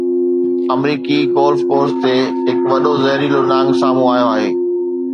آمريڪي golf course تي هڪ وڏو زهريلو نانگ سامهون آيو آهي